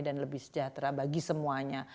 dan lebih sejahtera bagi semuanya